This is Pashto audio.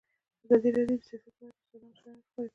ازادي راډیو د سیاست په اړه د استادانو شننې خپرې کړي.